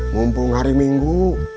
mumpung hari minggu